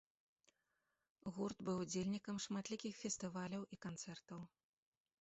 Гурт быў удзельнікам шматлікіх фестываляў і канцэртаў.